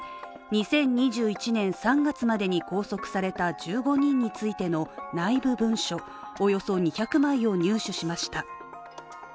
２０２１年３月までに拘束された１５人についての内部文書およそ２００枚を入手しました。